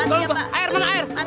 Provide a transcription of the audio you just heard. tolong aku air mana air